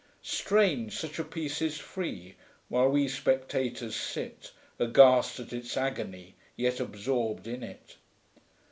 Strange, such a Piece is free, While we Spectators sit Aghast at its agony, Yet absorbed in it.